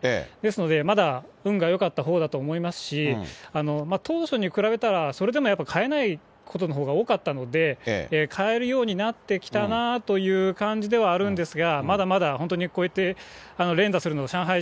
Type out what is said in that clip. ですので、まだ運がよかったほうだと思いますし、当初に比べたら、それでもやっぱり、買えないことのほうが多かったので、買えるようになってきたなという感じではあるんですが、まだまだ本当にこうやって連打するのは上海